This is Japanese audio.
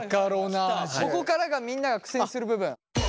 ここからがみんなが苦戦する部分。